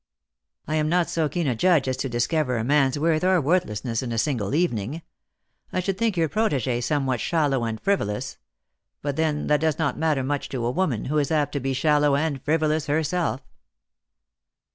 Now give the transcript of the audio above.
" I am not so keen a judge as to discover a man's worth or worthlessness in a single evening I should think your protege somewhat shallow and frivolous ; but then that does not matter much to a woman, who is apt to be shallow and frivolous her self."